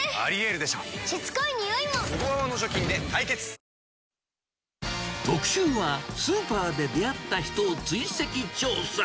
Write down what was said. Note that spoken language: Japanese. お試し容量も特集は、スーパーで出会った人を追跡調査。